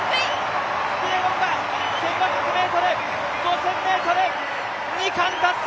キピエゴンが１５００ｍ、５０００ｍ２冠達成！